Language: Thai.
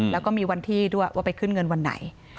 แล้วก็มีวันที่ด้วยว่าไปขึ้นเงินวันไหน